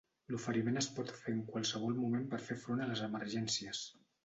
L'oferiment es pot fer en qualsevol moment per fer front a les emergències.